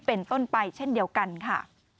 เป็นต้นไปเช่นเดียวกันค่ะ